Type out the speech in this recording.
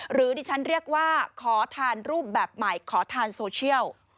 หรือดิฉันเรียกว่าขอทานรูปแบบใหม่ขอทานโซเชียล